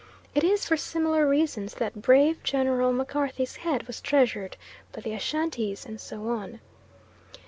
It is for similar reasons that brave General MacCarthy's head was treasured by the Ashantees, and so on.